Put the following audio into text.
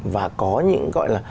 và có những gọi là